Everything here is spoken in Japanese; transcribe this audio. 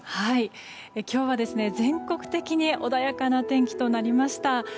今日は全国的に穏やかな天気となりました。